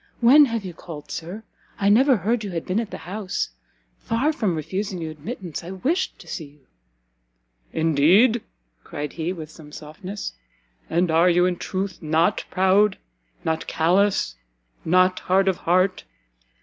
when have you called, Sir? I never heard you had been at the house. Far from refusing you admittance, I wished to see you." "Indeed?" cried he, with some softness, "and are you, in truth, not proud? not callous? not hard of heart?